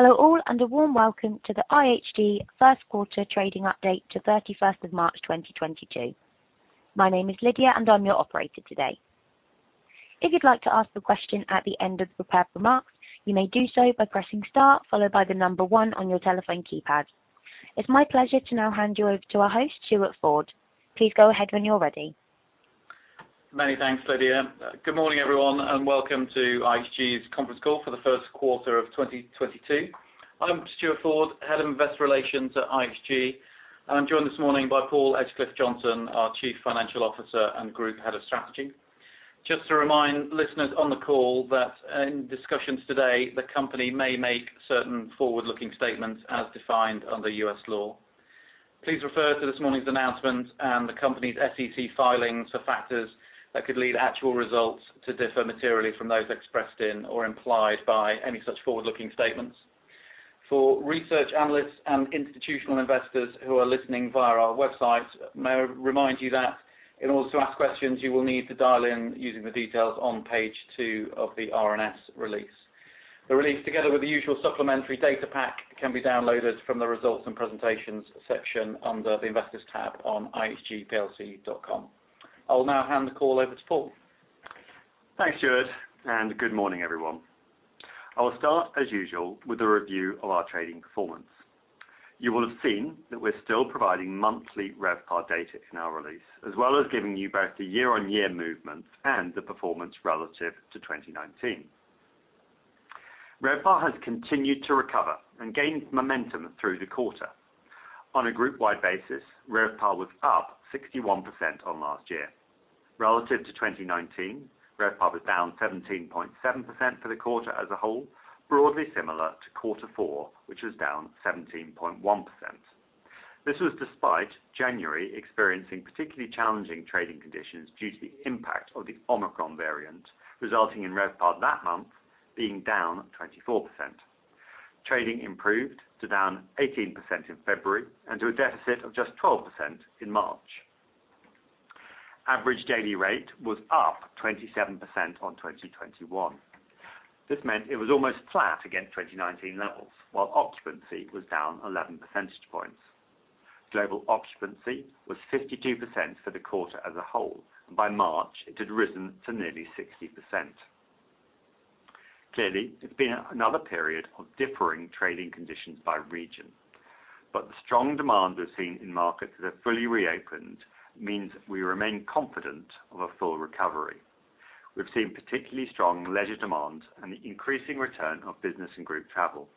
Hello all, and a warm welcome to the IHG first quarter trading update to 31st of March 2022. My name is Lydia and I'm your operator today. If you'd like to ask a question at the end of the prepared remarks, you may do so by pressing star, followed by the number one on your telephone keypad. It's my pleasure to now hand you over to our host, Stuart Ford. Please go ahead when you're ready. Many thanks, Lydia. Good morning, everyone, and welcome to IHG's conference call for the first quarter of 2022. I'm Stuart Ford, Head of Investor Relations at IHG. I'm joined this morning by Paul Edgecliffe-Johnson, our Chief Financial Officer and Group Head of Strategy. Just to remind listeners on the call that in discussions today, the company may make certain forward-looking statements as defined under U.S. law. Please refer to this morning's announcement and the company's SEC filings for factors that could lead actual results to differ materially from those expressed in or implied by any such forward-looking statements. For research analysts and institutional investors who are listening via our website, may I remind you that in order to ask questions, you will need to dial in using the details on page two of the RNS release. The release, together with the usual supplementary data pack, can be downloaded from the Results and Presentations section under the Investors tab on ihgplc.com. I will now hand the call over to Paul. Thanks, Stuart, and good morning, everyone. I will start, as usual, with a review of our trading performance. You will have seen that we're still providing monthly RevPAR data in our release, as well as giving you both the year-on-year movements and the performance relative to 2019. RevPAR has continued to recover and gained momentum through the quarter. On a group-wide basis, RevPAR was up 61% on last year. Relative to 2019, RevPAR was down 17.7% for the quarter as a whole, broadly similar to quarter four, which was down 17.1%. This was despite January experiencing particularly challenging trading conditions due to the impact of the Omicron variant, resulting in RevPAR that month being down 24%. Trading improved to down 18% in February and to a deficit of just 12% in March. Average daily rate was up 27% on 2021. This meant it was almost flat against 2019 levels, while occupancy was down 11 percentage points. Global occupancy was 52% for the quarter as a whole, and by March it had risen to nearly 60%. Clearly, it's been another period of differing trading conditions by region, but the strong demand we've seen in markets that have fully reopened means we remain confident of a full recovery. We've seen particularly strong leisure demand and the increasing return of business and group travel.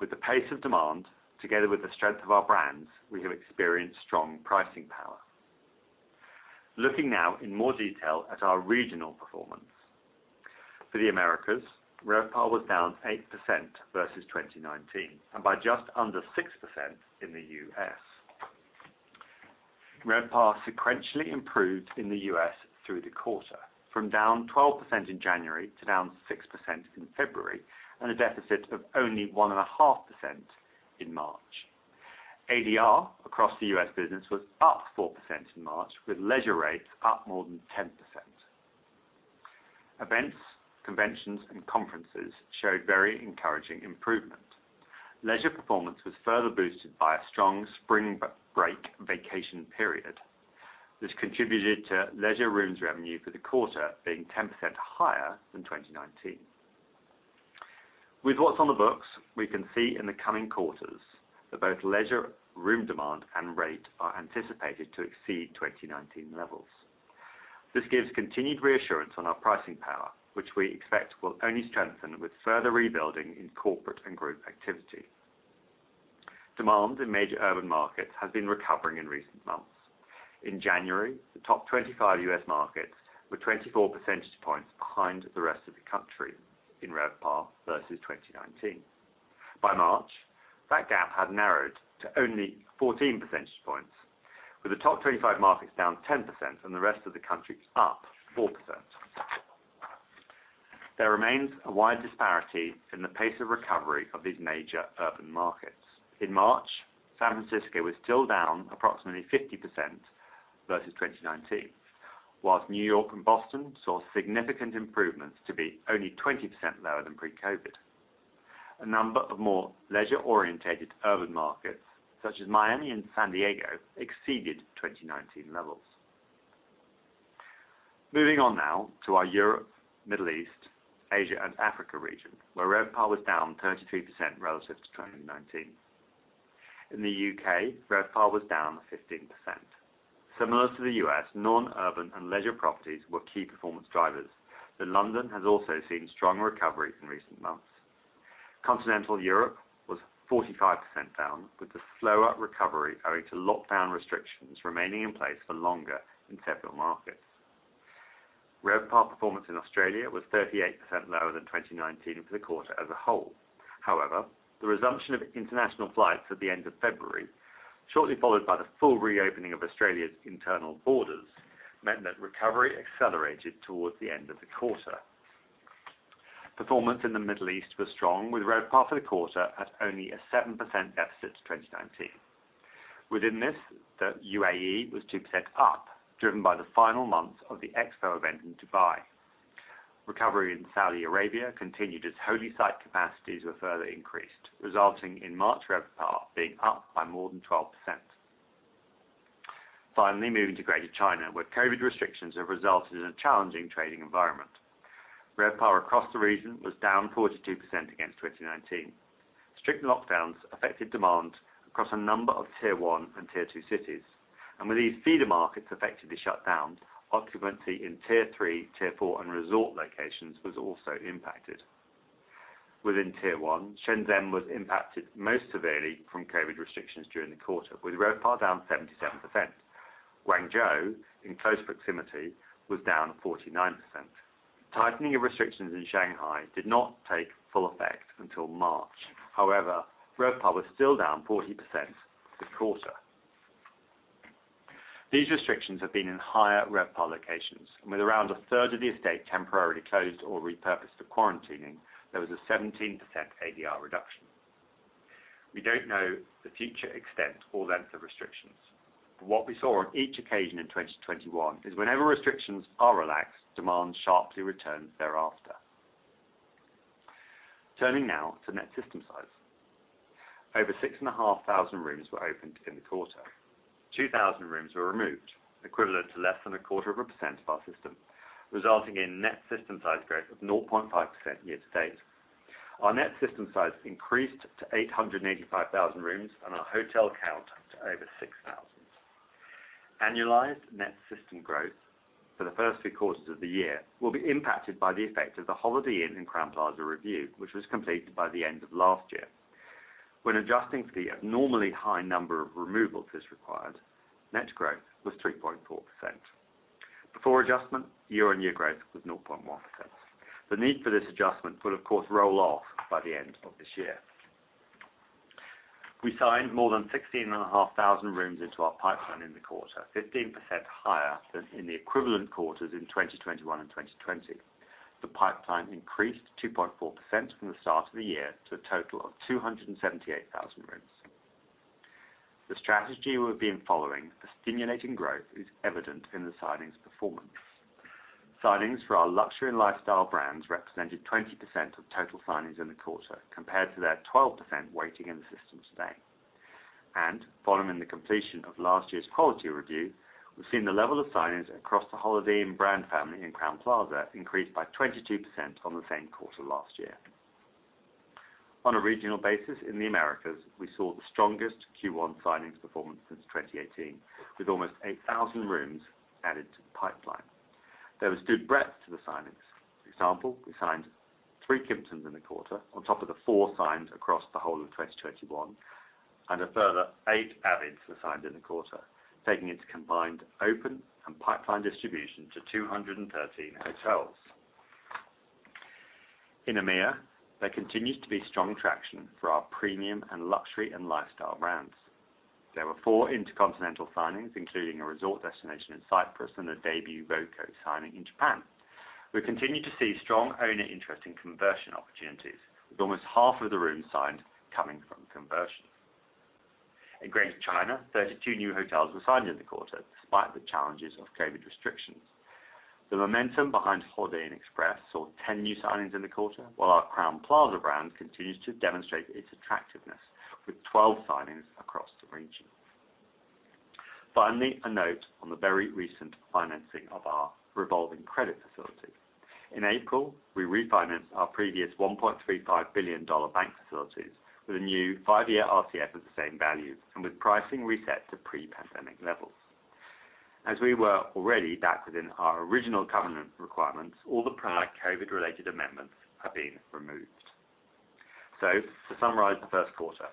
With the pace of demand, together with the strength of our brands, we have experienced strong pricing power. Looking now in more detail at our regional performance. For the Americas, RevPAR was down 8% versus 2019, and by just under 6% in the U.S. RevPAR sequentially improved in the U.S. through the quarter, from down 12% in January to down 6% in February, and a deficit of only 1.5% in March. ADR across the U.S. business was up 4% in March, with leisure rates up more than 10%. Events, conventions, and conferences showed very encouraging improvement. Leisure performance was further boosted by a strong spring break vacation period. This contributed to leisure rooms revenue for the quarter being 10% higher than 2019. With what's on the books, we can see in the coming quarters that both leisure room demand and rate are anticipated to exceed 2019 levels. This gives continued reassurance on our pricing power, which we expect will only strengthen with further rebuilding in corporate and group activity. Demand in major urban markets has been recovering in recent months. In January, the top 25 U.S. markets were 24 percentage points behind the rest of the country in RevPAR versus 2019. By March, that gap had narrowed to only 14 percentage points, with the top 25 markets down 10% and the rest of the country up 4%. There remains a wide disparity in the pace of recovery of these major urban markets. In March, San Francisco was still down approximately 50% versus 2019, while New York and Boston saw significant improvements to be only 20% lower than pre-COVID. A number of more leisure-orientated urban markets, such as Miami and San Diego, exceeded 2019 levels. Moving on now to our Europe, Middle East, Asia, and Africa region, where RevPAR was down 32% relative to 2019. In the U.K., RevPAR was down 15%. Similar to the U.S., non-urban and leisure properties were key performance drivers, though London has also seen strong recovery in recent months. Continental Europe was 45% down, with the slower recovery owing to lockdown restrictions remaining in place for longer in several markets. RevPAR performance in Australia was 38% lower than 2019 for the quarter as a whole. However, the resumption of international flights at the end of February, shortly followed by the full reopening of Australia's internal borders, meant that recovery accelerated towards the end of the quarter. Performance in the Middle East was strong, with RevPAR for the quarter at only a 7% deficit to 2019. Within this, the UAE was 2% up, driven by the final months of the Expo 2020 Dubai event in Dubai. Recovery in Saudi Arabia continued as holy site capacities were further increased, resulting in March RevPAR being up by more than 12%. Finally, moving to Greater China, where COVID restrictions have resulted in a challenging trading environment. RevPAR across the region was down 42% against 2019. Strict lockdowns affected demand across a number of Tier One and Tier Two cities. With these feeder markets effectively shut down, occupancy in Tier Three, Tier Four, and resort locations was also impacted. Within Tier One, Shenzhen was impacted most severely from COVID restrictions during the quarter, with RevPAR down 77%. Guangzhou, in close proximity, was down 49%. Tightening of restrictions in Shanghai did not take full effect until March. However, RevPAR was still down 40% for the quarter. These restrictions have been in higher RevPAR locations, and with around a third of the estate temporarily closed or repurposed for quarantining, there was a 17% ADR reduction. We don't know the future extent or length of restrictions, but what we saw on each occasion in 2021 is whenever restrictions are relaxed, demand sharply returns thereafter. Turning now to net system size. Over 6,500 rooms were opened in the quarter. 2,000 rooms were removed, equivalent to less than a quarter of a percent of our system, resulting in net system size growth of 0.5% year-to-date. Our net system size increased to 885,000 rooms and our hotel count to over 6,000. Annualized net system growth for the first three quarters of the year will be impacted by the effect of the Holiday Inn and Crowne Plaza review, which was completed by the end of last year. When adjusting for the abnormally high number of removals is required, net growth was 3.4%. Before adjustment, year-on-year growth was 0.1%. The need for this adjustment will of course roll off by the end of this year. We signed more than 16,500 rooms into our pipeline in the quarter, 15% higher than in the equivalent quarters in 2021 and 2020. The pipeline increased 2.4% from the start of the year to a total of 278,000 rooms. The strategy we've been following for stimulating growth is evident in the signings performance. Signings for our luxury and lifestyle brands represented 20% of total signings in the quarter, compared to their 12% weighting in the system today. Following the completion of last year's quality review, we've seen the level of signings across the Holiday Inn brand family and Crowne Plaza increase by 22% on the same quarter last year. On a regional basis in the Americas, we saw the strongest Q1 signings performance since 2018, with almost 8,000 rooms added to the pipeline. There was good breadth to the signings. For example, we signed 3 Kimptons in the quarter, on top of the 4 signed across the whole of 2021, and a further 8 Avid were signed in the quarter, taking its combined open and pipeline distribution to 213 hotels. In EMEA, there continues to be strong traction for our premium and luxury and lifestyle brands. There were 4 InterContinental signings, including a resort destination in Cyprus and a debut voco signing in Japan. We continue to see strong owner interest in conversion opportunities, with almost half of the rooms signed coming from conversions. In Greater China, 32 new hotels were signed in the quarter, despite the challenges of COVID restrictions. The momentum behind Holiday Inn Express saw 10 new signings in the quarter, while our Crowne Plaza brand continues to demonstrate its attractiveness, with 12 signings across the region. Finally, a note on the very recent financing of our revolving credit facility. In April, we refinanced our previous $1.35 billion bank facilities with a new 5-year RCF of the same value and with pricing reset to pre-pandemic levels. As we were already battered in our original covenant requirements, all the prior COVID-related amendments have been removed. To summarize the first quarter,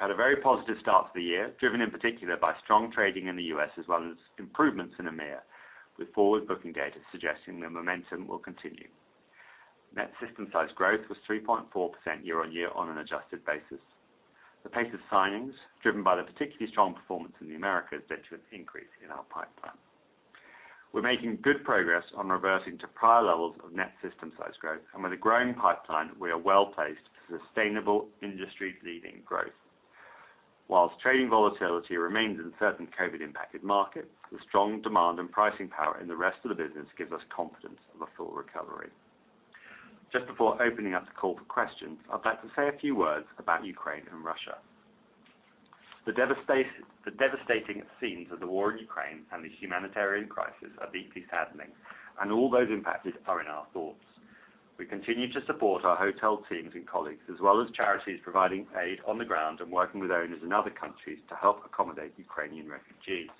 at a very positive start to the year, driven in particular by strong trading in the US as well as improvements in EMEA, with forward booking data suggesting the momentum will continue. Net system size growth was 3.4% year-on-year on an adjusted basis. The pace of signings, driven by the particularly strong performance in the Americas, led to an increase in our pipeline. We're making good progress on reversing to prior levels of net system size growth, and with a growing pipeline, we are well-placed for sustainable, industry-leading growth. While trading volatility remains in certain COVID-impacted markets, the strong demand and pricing power in the rest of the business gives us confidence of a full recovery. Just before opening up the call for questions, I'd like to say a few words about Ukraine and Russia. The devastating scenes of the war in Ukraine and the humanitarian crisis are deeply saddening, and all those impacted are in our thoughts. We continue to support our hotel teams and colleagues, as well as charities providing aid on the ground and working with owners in other countries to help accommodate Ukrainian refugees.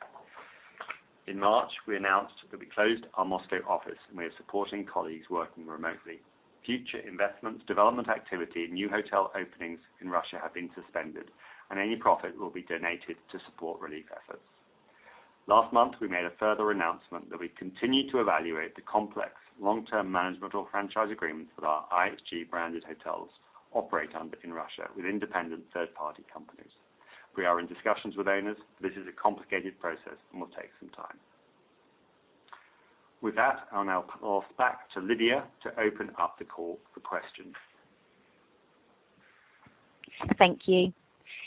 In March, we announced that we closed our Moscow office and we are supporting colleagues working remotely. Future investments, development activity, and new hotel openings in Russia have been suspended, and any profit will be donated to support relief efforts. Last month, we made a further announcement that we continue to evaluate the complex long-term management or franchise agreements that our IHG-branded hotels operate under in Russia with independent third-party companies. We are in discussions with owners. This is a complicated process and will take some time. With that, I'll now pass back to Lydia to open up the call for questions. Thank you.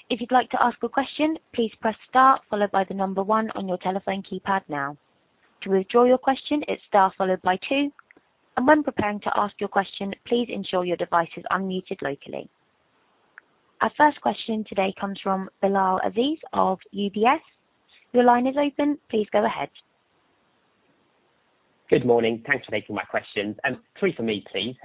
If you'd like to ask a question, please press star followed by the number one on your telephone keypad now. To withdraw your question, it's star followed by two, and when preparing to ask your question, please ensure your device is unmuted locally. Our first question today comes from Bilal Aziz of UBS. Your line is open. Please go ahead. Good morning. Thanks for taking my questions. Three for me, please.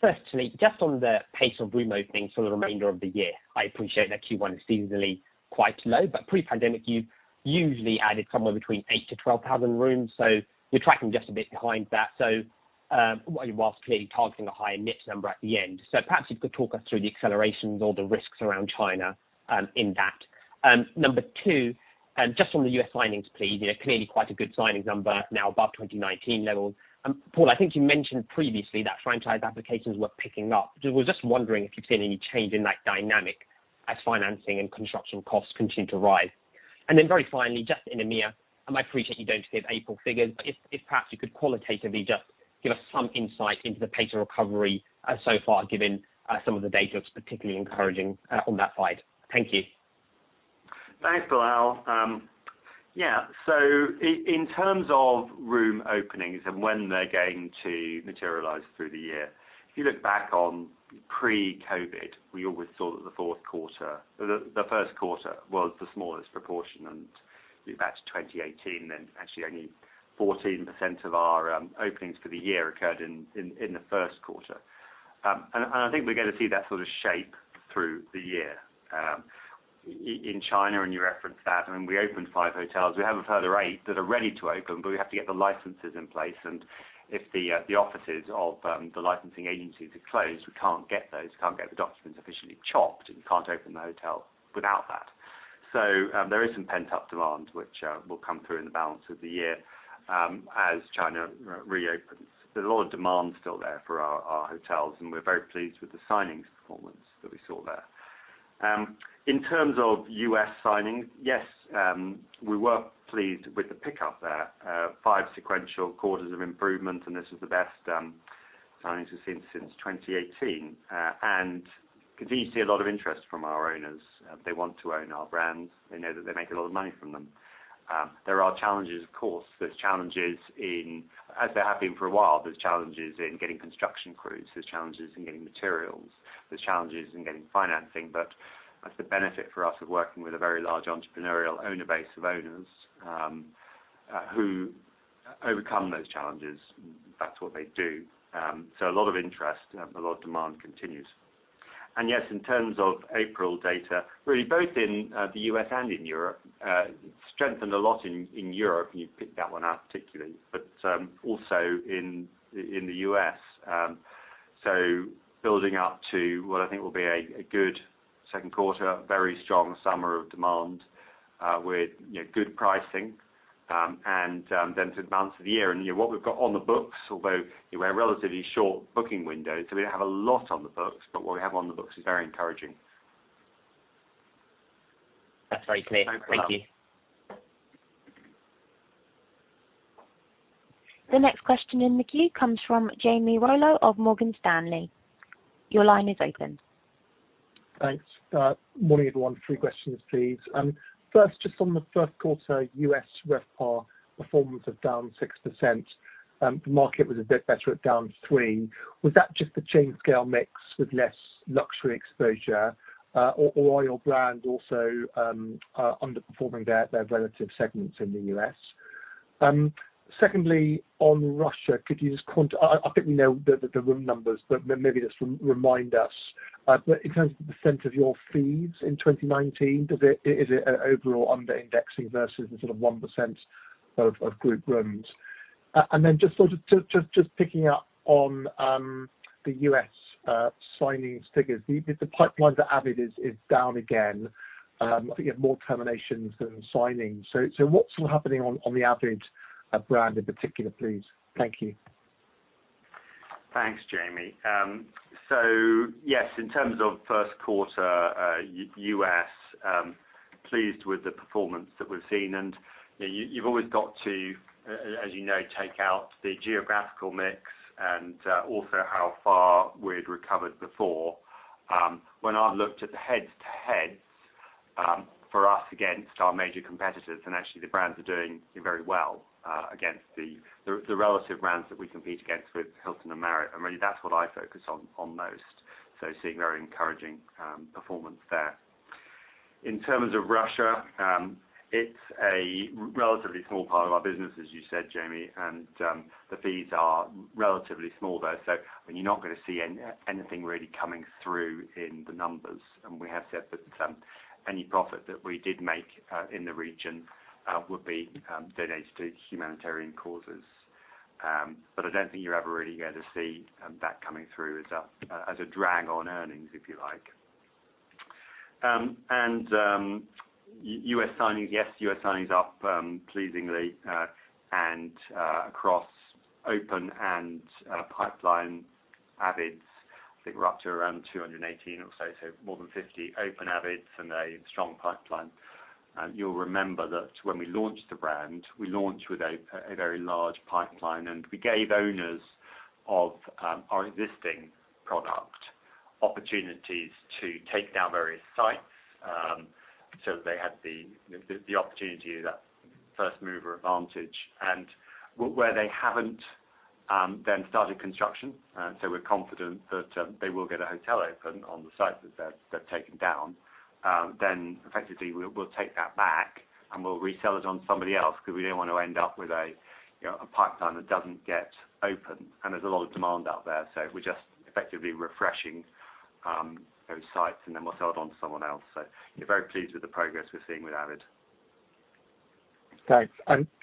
Firstly, just on the pace of room openings for the remainder of the year, I appreciate that Q1 is seasonally quite low, but pre-pandemic, you usually added somewhere between 8,000-12,000 rooms, so you're tracking just a bit behind that. While clearly targeting a higher mix number at the end. Perhaps you could talk us through the accelerations or the risks around China, in that. Number two, just on the U.S. signings, please, you know, clearly quite a good signings number now above 2019 levels. Paul, I think you mentioned previously that franchise applications were picking up. Just was wondering if you've seen any change in that dynamic as financing and construction costs continue to rise. Very finally, just in EMEA, and I appreciate you don't give April figures, but if perhaps you could qualitatively just give us some insight into the pace of recovery, so far, given some of the data is particularly encouraging on that side. Thank you. Thanks, Bilal. In terms of room openings and when they're going to materialize through the year, if you look back on pre-COVID, we always thought that the fourth quarter, the first quarter was the smallest proportion. You go back to 2018 then, actually only 14% of our openings for the year occurred in the first quarter. I think we're gonna see that sort of shape through the year. In China, and you referenced that, I mean, we opened 5 hotels. We have a further 8 that are ready to open, but we have to get the licenses in place. If the offices of the licensing agencies are closed, we can't get those documents officially chopped, and we can't open the hotel without that. There is some pent-up demand which will come through in the balance of the year as China reopens. There's a lot of demand still there for our hotels, and we're very pleased with the signings performance that we saw there. In terms of U.S. signings, yes, we were pleased with the pickup there. 5 sequential quarters of improvement, and this is the best signings we've seen since 2018. Continue to see a lot of interest from our owners. They want to own our brands. They know that they make a lot of money from them. There are challenges of course. As there have been for a while, there's challenges in getting construction crews, there's challenges in getting materials, there's challenges in getting financing, but that's the benefit for us of working with a very large entrepreneurial owner base of owners, who overcome those challenges. That's what they do. A lot of interest, a lot of demand continues. Yes, in terms of April data, really both in the U.S. and in Europe, strengthened a lot in Europe, and you picked that one out particularly, but also in the U.S. Building up to what I think will be a good second quarter, very strong summer of demand, with you know, good pricing, and then to the balance of the year. You know, what we've got on the books, although we're a relatively short booking window, so we don't have a lot on the books, but what we have on the books is very encouraging. That's very clear. Thank you. The next question in the queue comes from Jamie Rollo of Morgan Stanley. Your line is open. Thanks. Morning, everyone. Three questions, please. First, just on the first quarter U.S. RevPAR performance of down 6%, the market was a bit better at down 3%. Was that just the chain scale mix with less luxury exposure, or are your brands also underperforming their relative segments in the U.S.? Secondly, on Russia, could you just quantify. I think we know the room numbers, but maybe just remind us, but in terms of the percent of your fees in 2019, does it? Is it overall under indexing versus the sort of 1% of group rooms? Just sort of picking up on the U.S. signings figures. The pipelines at avid is down again, I think of more terminations than signings. What's happening on the avid brand in particular, please? Thank you. Thanks, Jamie. Yes, in terms of first quarter, U.S., pleased with the performance that we've seen and, you know, you've always got to, as you know, take out the geographical mix and also how far we'd recovered before. When I looked at the head-to-heads, for us against our major competitors, and actually the brands are doing very well against the relative brands that we compete against with Hilton and Marriott, and really that's what I focus on most, so seeing very encouraging performance there. In terms of Russia, it's a relatively small part of our business, as you said, Jamie, and the fees are relatively small there. You're not gonna see anything really coming through in the numbers. We have said that any profit that we did make in the region would be donated to humanitarian causes. I don't think you're ever really going to see that coming through as a drag on earnings, if you like. U.S. signings, yes, U.S. signings up, pleasingly, and across open and pipeline Avids, I think we're up to around 218 or so more than 50 open Avids and a strong pipeline. You'll remember that when we launched the brand, we launched with a very large pipeline, and we gave owners of our existing product opportunities to take down various sites. They had the opportunity, that first mover advantage. Where they haven't then started construction, so we're confident that they will get a hotel open on the sites that they've taken down, then effectively we'll take that back, and we'll resell it on somebody else, 'cause we don't want to end up with a, you know, a pipeline that doesn't get opened. There's a lot of demand out there, so we're just effectively refreshing those sites, and then we'll sell it on to someone else. We're very pleased with the progress we're seeing with avid. Thanks.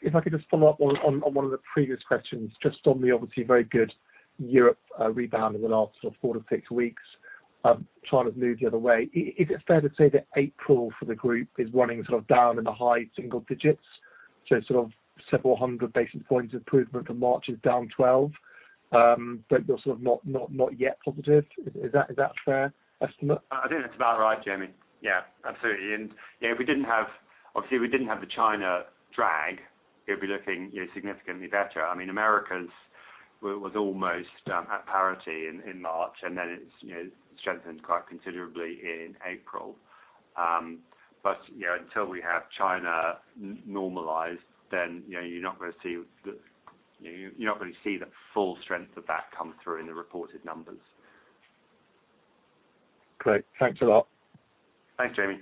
If I could just follow up on one of the previous questions, just on the obviously very good Europe rebound in the last sort of 4-6 weeks, I'm trying to move the other way. Is it fair to say that April for the group is running sort of down in the high single digits? Several hundred basis points improvement for March is down 12%, but you're sort of not yet positive. Is that fair estimate? I think that's about right, Jamie. Yeah, absolutely. You know, obviously, if we didn't have the China drag, it'd be looking, you know, significantly better. I mean, Americas was almost at parity in March, and then it's, you know, strengthened quite considerably in April. You know, until we have China normalized, then, you know, you're not gonna see the full strength of that come through in the reported numbers. Great. Thanks a lot. Thanks, Jamie.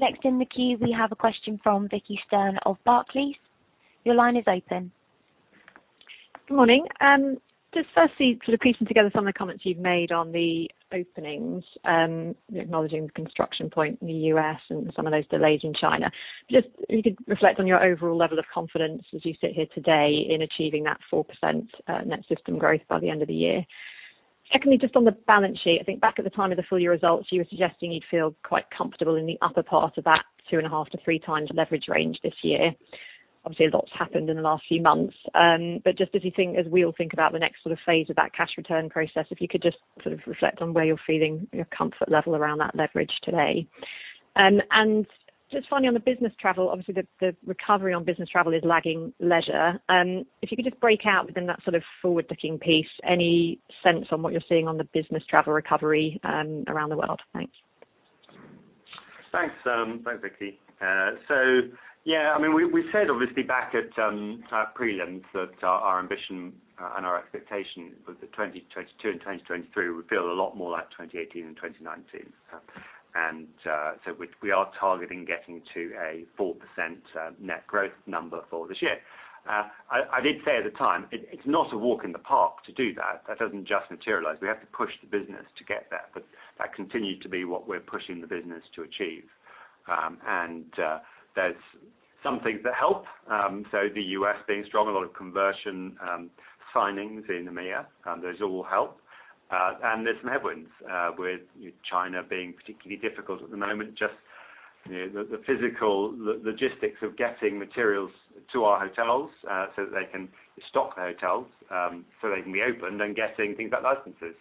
Next in the queue, we have a question from Vicki Stern of Barclays. Your line is open. Good morning. Just firstly, sort of piecing together some of the comments you've made on the openings, acknowledging the construction point in the U.S. and some of those delays in China. Just if you could reflect on your overall level of confidence as you sit here today in achieving that 4% net system growth by the end of the year. Secondly, just on the balance sheet, I think back at the time of the full year results, you were suggesting you'd feel quite comfortable in the upper part of that 2.5-3 times leverage range this year. Obviously, a lot's happened in the last few months. Just as you think, as we all think about the next sort of phase of that cash return process, if you could just sort of reflect on where you're feeling your comfort level around that leverage today. Just finally on the business travel, obviously the recovery on business travel is lagging leisure. If you could just break out within that sort of forward-looking piece, any sense on what you're seeing on the business travel recovery around the world? Thanks. Thanks. Thanks, Vicki. Yeah, I mean, we said obviously back at our prelims that our ambition and our expectation was that 2022 and 2023 would feel a lot more like 2018 and 2019. We are targeting getting to a 4% net growth number for this year. I did say at the time, it's not a walk in the park to do that. That doesn't just materialize. We have to push the business to get there, but that continued to be what we're pushing the business to achieve. There's some things that help. The US being strong, a lot of conversion signings in EMEA, those all help. There's some headwinds with China being particularly difficult at the moment, just you know, the physical logistics of getting materials to our hotels, so that they can stock the hotels, so they can be opened and getting things like licenses.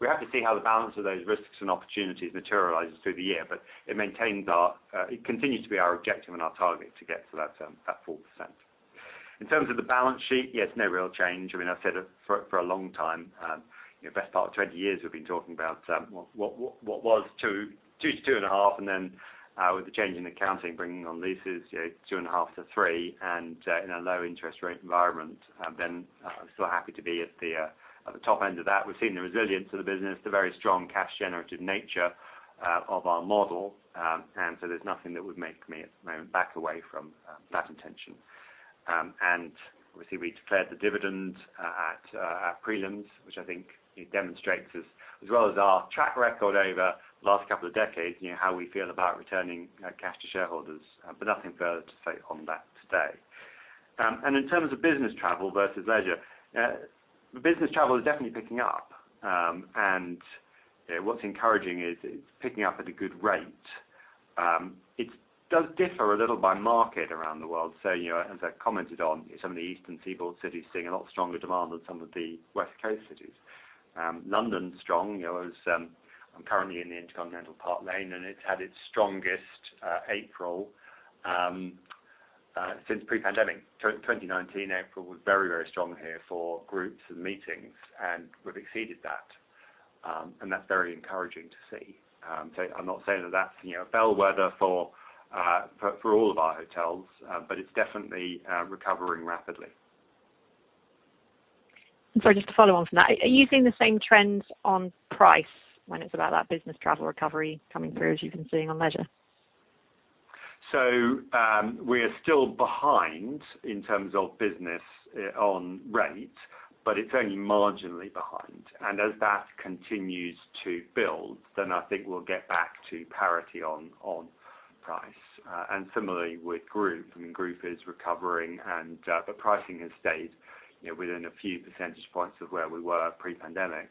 We have to see how the balance of those risks and opportunities materializes through the year. It continues to be our objective and our target to get to that 4%. In terms of the balance sheet, yes, no real change. I mean, I've said it for a long time, you know, best part of 20 years we've been talking about what was 2-2.5, and then with the change in accounting, bringing on leases, you know, 2.5-3, and in a low interest rate environment, then still happy to be at the top end of that. We've seen the resilience of the business, the very strong cash generative nature of our model. There's nothing that would make me at the moment back away from that intention. Obviously we declared the dividend at prelims, which I think demonstrates as well as our track record over last couple of decades, you know, how we feel about returning cash to shareholders, but nothing further to say on that today. In terms of business travel versus leisure, business travel is definitely picking up. You know, what's encouraging is it's picking up at a good rate. It does differ a little by market around the world. You know, as I commented on some of the Eastern seaboard cities seeing a lot stronger demand than some of the West Coast cities. London's strong. I'm currently in the InterContinental Park Lane, and it's had its strongest April since pre-pandemic. 2019, April was very, very strong here for groups and meetings, and we've exceeded that. That's very encouraging to see. I'm not saying that that's, you know, bellwether for all of our hotels, but it's definitely recovering rapidly. Sorry, just to follow on from that. Are you seeing the same trends on price when it's about that business travel recovery coming through as you've been seeing on leisure? We are still behind in terms of business on rate, but it's only marginally behind. As that continues to build, then I think we'll get back to parity on price. Similarly with group, I mean, group is recovering and the pricing has stayed, you know, within a few percentage points of where we were pre-pandemic.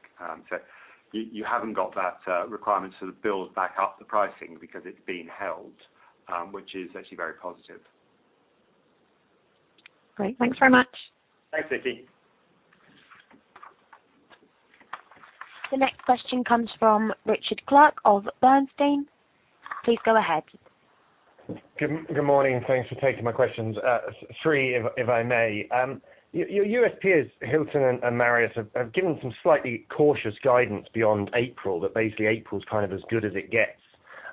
You haven't got that requirement to build back up the pricing because it's been held, which is actually very positive. Great. Thanks very much. Thanks, Vicki. The next question comes from Richard Clarke of Bernstein. Please go ahead. Good morning, and thanks for taking my questions. Three if I may. Your U.S. peers, Hilton and Marriott have given some slightly cautious guidance beyond April, that basically April's kind of as good as it gets,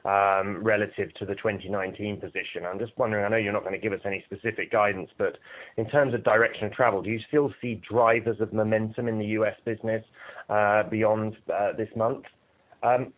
relative to the 2019 position. I'm just wondering, I know you're not gonna give us any specific guidance, but in terms of direction of travel, do you still see drivers of momentum in the US business, beyond this month? Then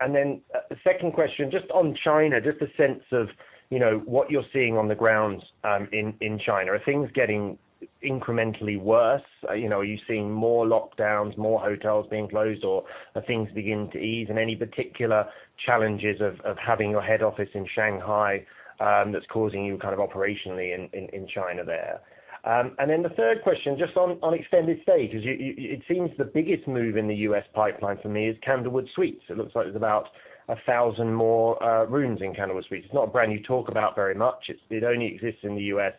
the second question, just on China, just a sense of, you know, what you're seeing on the grounds, in China. Are things getting incrementally worse? You know, are you seeing more lockdowns, more hotels being closed, or are things beginning to ease? Any particular challenges of having your head office in Shanghai, that's causing you kind of operationally in China there? Then the third question, just on extended stay, because it seems the biggest move in the U.S. pipeline for me is Candlewood Suites. It looks like there's about 1,000 more rooms in Candlewood Suites. It's not a brand you talk about very much. It only exists in the U.S.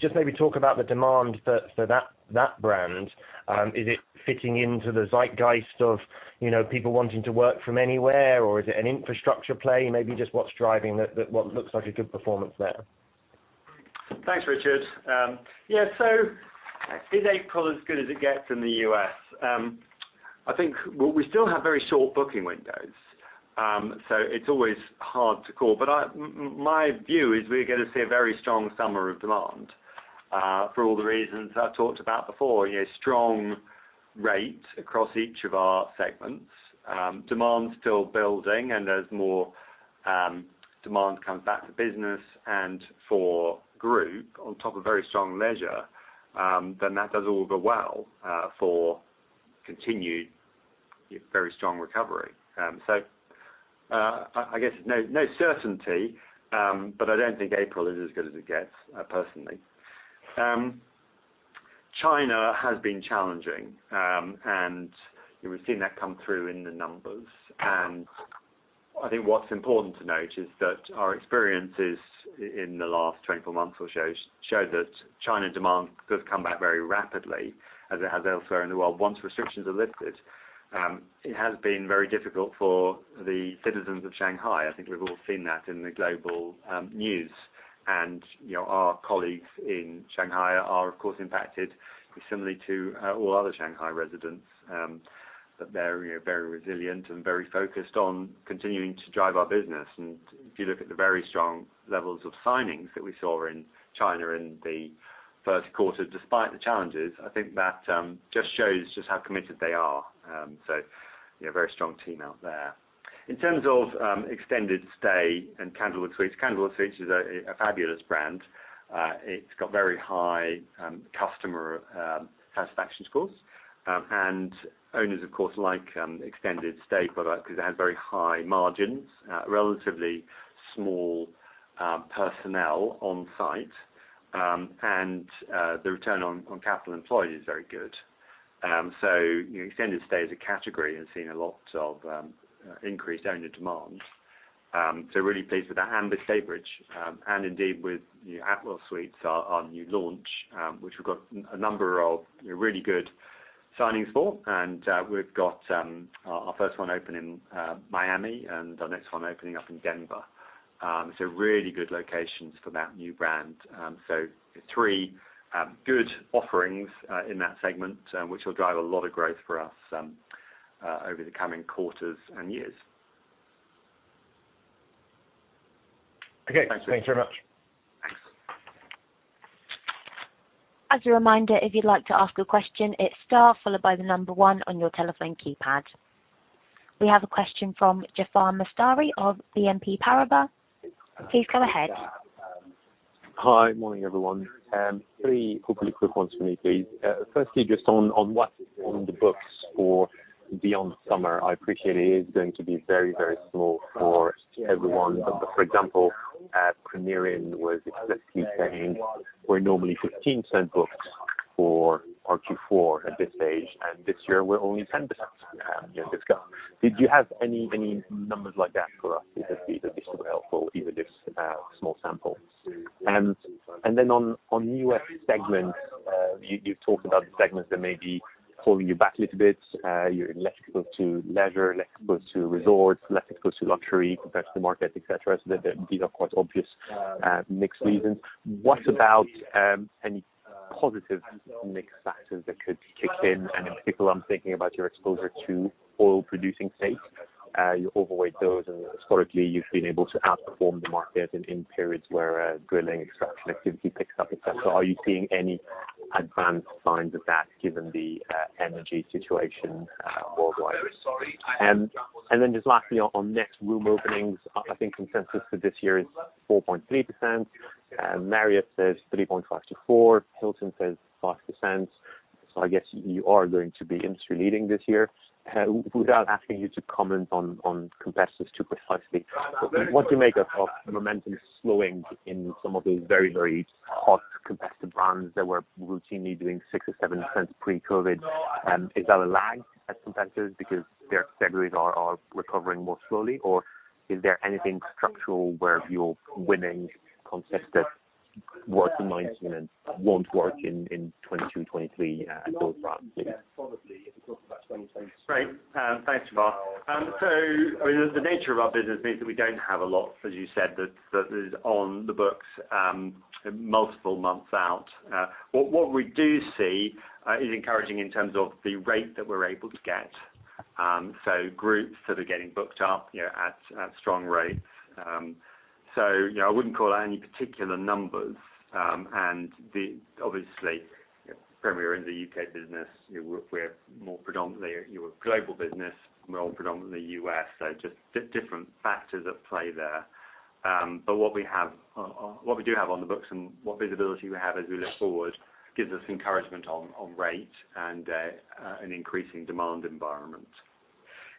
Just maybe talk about the demand for that brand. Is it fitting into the zeitgeist of, you know, people wanting to work from anywhere, or is it an infrastructure play? Maybe just what's driving that what looks like a good performance there. Thanks, Richard. Yeah, so is April as good as it gets in the U.S.? I think, well, we still have very short booking windows, so it's always hard to call. My view is we're gonna see a very strong summer of demand, for all the reasons I've talked about before. You know, strong rate across each of our segments, demand still building and as more demand comes back to business and for group on top of very strong leisure, then that does all too well for continued very strong recovery. I guess no certainty, but I don't think April is as good as it gets, personally. China has been challenging, and we've seen that come through in the numbers. I think what's important to note is that our experiences in the last 24 months or so show that China demand does come back very rapidly, as it has elsewhere in the world, once restrictions are lifted. It has been very difficult for the citizens of Shanghai. I think we've all seen that in the global news. You know, our colleagues in Shanghai are of course impacted similarly to all other Shanghai residents. They're, you know, very resilient and very focused on continuing to drive our business. If you look at the very strong levels of signings that we saw in China in the first quarter, despite the challenges, I think that just shows just how committed they are. You know, very strong team out there. In terms of extended stay and Candlewood Suites, Candlewood Suites is a fabulous brand. It's got very high customer satisfaction scores. Owners of course like extended stay product because it has very high margins, relatively small personnel on site, and the return on capital employed is very good. You know, extended stay as a category has seen a lot of increased owner demand. Really pleased with that. With Staybridge Suites and indeed with Atwell Suites, our new launch, which we've got a number of really good signings for. We've got our first one opening in Miami and our next one opening up in Denver. Really good locations for that new brand. Three good offerings in that segment, which will drive a lot of growth for us over the coming quarters and years. Okay. Thanks. Thanks very much. Thanks. As a reminder, if you'd like to ask a question, it's star followed by the number one on your telephone keypad. We have a question from Jaafar Mestari of BNP Paribas. Please go ahead. Hi. Morning, everyone. Three hopefully quick ones for me, please. Firstly, just on what's on the books for beyond summer. I appreciate it is going to be very, very small for everyone. For example, Premier Inn was explicitly saying we're normally 15% booked for our Q4 at this stage, and this year we're only 10%, you know, disclosed. Did you have any numbers like that for us? It would just be helpful, even if it's small sample. Then on the U.S. segments, you've talked about the segments that may be holding you back a little bit. You're less exposed to leisure, less exposed to resorts, less exposed to luxury compared to the market, et cetera. There would be of course obvious mix of reasons. What about any positive mix factors that could kick in? In particular, I'm thinking about your exposure to oil-producing states. You overweight those, and historically you've been able to outperform the market in periods where drilling extraction activity picks up, etc. Are you seeing any advanced signs of that given the energy situation worldwide? Then just lastly, on net room openings, I think consensus for this year is 4.3%. Marriott says 3.5%-4%. Hilton says 5%. I guess you are going to be industry leading this year. Without asking you to comment on competitors too precisely, what do you make of the momentum slowing in some of those very, very hot competitor brands that were routinely doing 6% or 7% pre-COVID? Is that a lag versus consensus because their categories are recovering more slowly, or is there anything structural where you're winning competitive worked in 2019 and won't work in 2022, 2023 at those rates? Great. Thanks, Jaafar. The nature of our business means that we don't have a lot, as you said, that is on the books multiple months out. What we do see is encouraging in terms of the rate that we're able to get. Groups that are getting booked up, you know, at strong rates. You know, I wouldn't call out any particular numbers. Obviously, primarily we're in the U.K. business. We're more predominantly a global business, more predominantly U.S. Just different factors at play there. What we do have on the books and what visibility we have as we look forward gives us encouragement on rate and an increasing demand environment.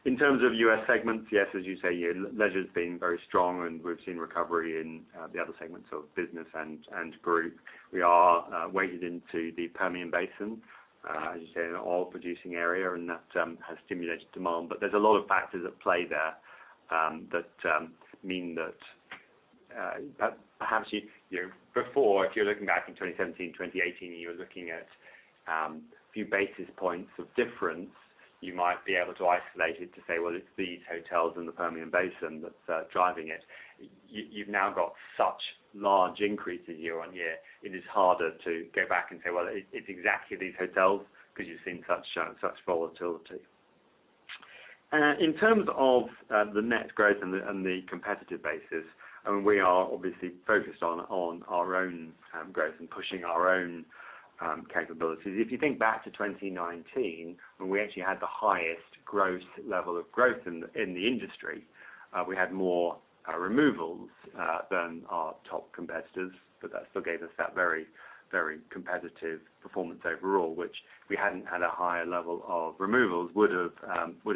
In terms of U.S. segments, yes, as you say, leisure's been very strong and we've seen recovery in the other segments, so business and group. We are weighted into the Permian Basin, as you say, an oil-producing area, and that has stimulated demand. There's a lot of factors at play there that mean that. Perhaps you know, before, if you're looking back in 2017, 2018, and you're looking at a few basis points of difference, you might be able to isolate it to say, "Well, it's these hotels in the Permian Basin that's driving it." You've now got such large increases year-on-year, it is harder to go back and say, "Well, it's exactly these hotels," because you've seen such volatility. In terms of the net growth and the competitive basis, I mean, we are obviously focused on our own growth and pushing our own capabilities. If you think back to 2019, when we actually had the highest growth level in the industry, we had more removals than our top competitors, but that still gave us that very competitive performance overall, which if we hadn't had a higher level of removals would've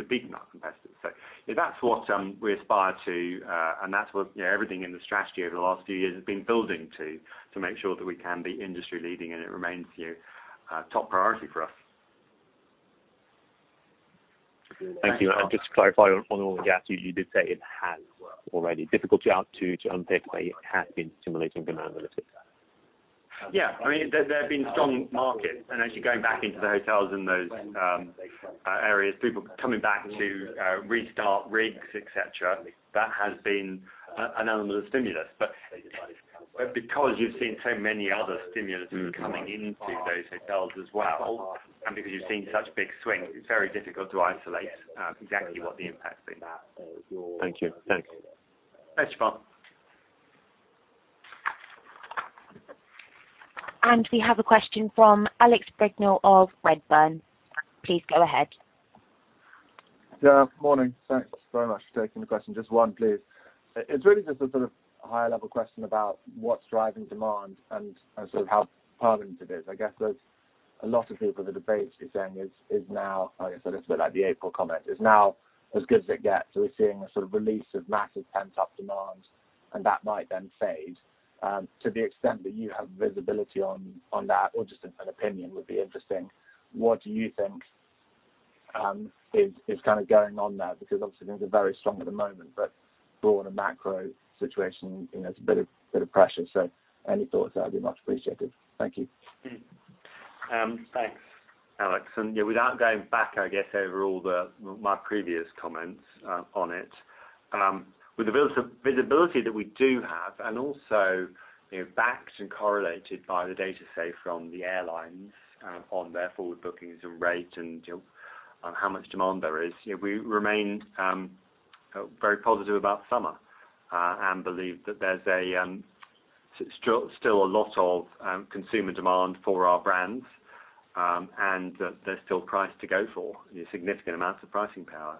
beaten our competitors. That's what we aspire to, and that's what, you know, everything in the strategy over the last few years has been building to make sure that we can be industry-leading and it remains the top priority for us. Thank you. Just to clarify on oil and gas, you did say it has already. Difficulty to anticipate has been stimulating demand a little bit. Yeah. I mean, there have been strong markets and actually going back into the hotels in those areas, people coming back to restart rigs, et cetera. That has been an element of stimulus. Because you've seen so many other stimuluses coming into those hotels as well, and because you've seen such big swings, it's very difficult to isolate exactly what the impact's been. Thank you. Thanks. Thanks, Jaafar. We have a question from Alex Brignall of Redburn. Please go ahead. Yeah. Morning. Thanks very much for taking the question. Just one, please. It's really just a sort of higher-level question about what's driving demand and sort of how permanent it is. I guess there's a lot of people, the debate is saying is now. I guess a little bit like the April comment, is now as good as it gets. We're seeing a sort of release of massive pent-up demand and that might then fade. To the extent that you have visibility on that or just an opinion would be interesting. What do you think is kind of going on there? Because obviously things are very strong at the moment, but broader macro situation, you know, there's a bit of pressure. Any thoughts there would be much appreciated. Thank you. Thanks, Alex. Yeah, without going back, I guess, over my previous comments on it, with the visibility that we do have and also, you know, backed and correlated by the data, say, from the airlines, on their forward bookings and rate and, you know, on how much demand there is, you know, we remain very positive about summer and believe that there's still a lot of consumer demand for our brands and that there's still price to go for, you know, significant amounts of pricing power.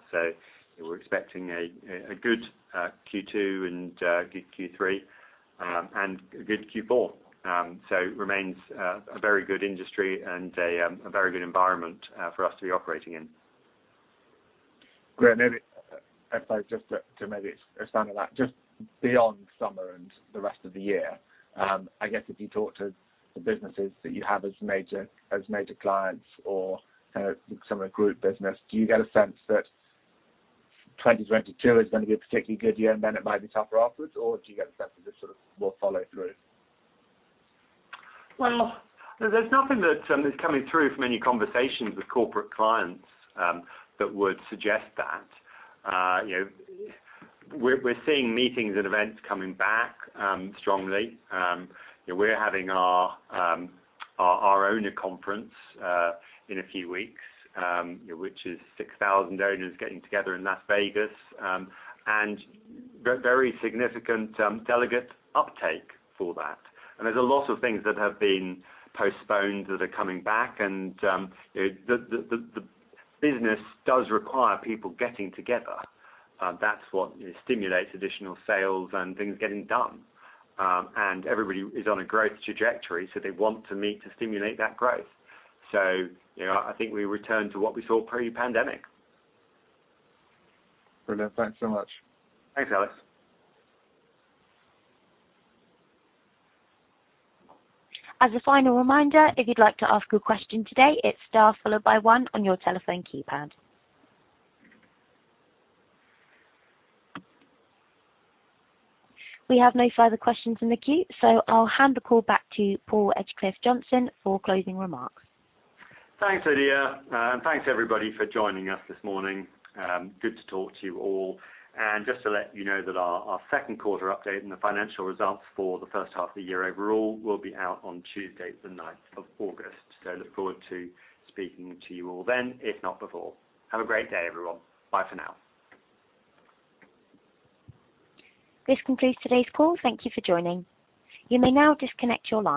We're expecting a good Q2 and a good Q3 and a good Q4. It remains a very good industry and a very good environment for us to be operating in. Great. Maybe expand on that, just beyond summer and the rest of the year, I guess if you talk to the businesses that you have as major clients or, kind of, some of the group business, do you get a sense that 2022 is gonna be a particularly good year and then it might be tougher afterwards, or do you get a sense of just sort of more follow through? Well, there's nothing that is coming through from any conversations with corporate clients that would suggest that. You know, we're seeing meetings and events coming back strongly. You know, we're having our owner conference in a few weeks, which is 6,000 owners getting together in Las Vegas, and very significant delegate uptake for that. There's a lot of things that have been postponed that are coming back. You know, the business does require people getting together. That's what stimulates additional sales and things getting done. Everybody is on a growth trajectory, so they want to meet to stimulate that growth. You know, I think we return to what we saw pre-pandemic. Brilliant. Thanks so much. Thanks, Alex. As a final reminder, if you'd like to ask a question today, it's star followed by one on your telephone keypad. We have no further questions in the queue, so I'll hand the call back to Paul Edgecliffe-Johnson for closing remarks. Thanks, Lydia. Thanks, everybody, for joining us this morning. Good to talk to you all. Just to let you know that our second quarter update and the financial results for the first half of the year overall will be out on Tuesday the 9th of August. Look forward to speaking to you all then, if not before. Have a great day, everyone. Bye for now. This concludes today's call. Thank you for joining. You may now disconnect your line.